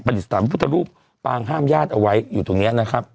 ดิสถานพุทธรูปปางห้ามญาติเอาไว้อยู่ตรงนี้นะครับ